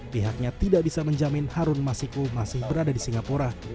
pihaknya tidak bisa menjamin harun masiku masih berada di singapura